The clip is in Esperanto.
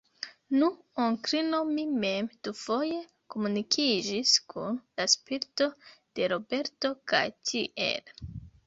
Nu, onklino, mi mem dufoje komunikiĝis kun la spirito de Roberto, kaj tiel.